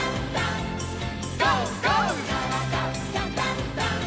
「からだダンダンダン」